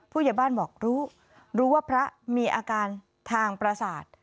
ผู้ใหญ่บ้านบอกรู้รู้ว่าพระมีอาการทางประสาท